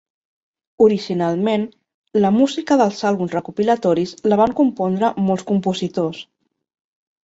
Originalment, la música dels àlbums recopilatoris la van compondre molts compositors.